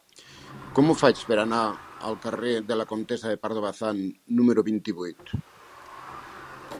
Com ho faig per anar al carrer de la Comtessa de Pardo Bazán número vint-i-vuit?